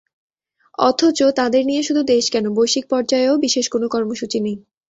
অথচ তাঁদের নিয়ে শুধু দেশ কেন, বৈশ্বিক পর্যায়েও বিশেষ কোনো কর্মসূচি নেই।